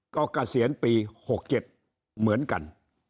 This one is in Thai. ก็เกษียณปี๖๗เหมือนกัน